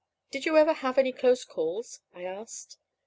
"Did you ever have any very close calls?" I asked.